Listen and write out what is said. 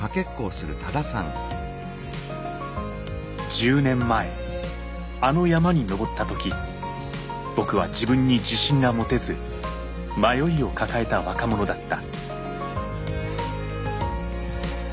１０年前あの山に登った時僕は自分に自信が持てず迷いを抱えた若者だった。